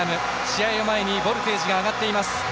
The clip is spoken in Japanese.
試合を前にボルテージが上がっています。